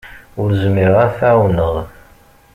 Ur zmireɣ ad t-ɛawneɣ.